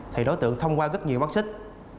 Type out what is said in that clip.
thì đối tượng thông qua rất nhiều mắc xích